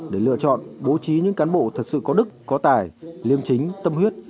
để lựa chọn bố trí những cán bộ thật sự có đức có tài liêm chính tâm huyết